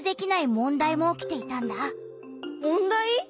問題？